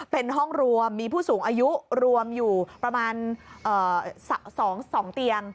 เป็นห้องรวมมีผู้สูงอายุรวมอยู่ประมาณ๒เตียง